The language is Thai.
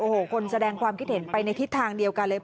โอ้โหคนแสดงความคิดเห็นไปในทิศทางเดียวกันเลย